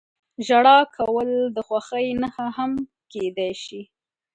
• ژړا کول د خوښۍ نښه هم کېدای شي.